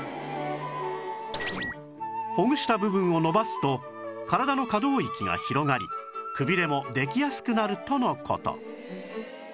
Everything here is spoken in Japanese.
ほぐした部分を伸ばすと体の可動域が広がりくびれもできやすくなるとの事